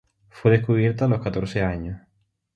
Fue descubierta a los catorce años.